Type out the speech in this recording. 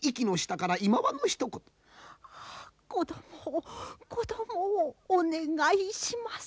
子どもを子どもをお願いします